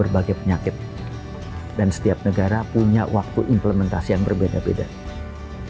berbagai penyakit dan setiap negara punya waktu implementasi yang berbeda beda dan kami lumayan banyak wajar embarrassed